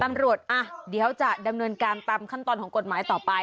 ตำรวจอ่ะเดี๋ยวจะดำเนินการตามขั้นตอนของกฎหมายต่อไป